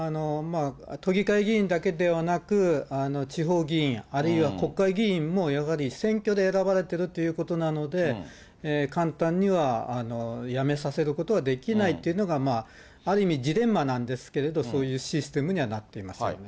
都議会議員だけではなく、地方議員、あるいは国会議員もやはり選挙で選ばれてるということなので、簡単には辞めさせることはできないっていうのが、ある意味、ジレンマなんですけど、そういうシステムにはなっていますよね。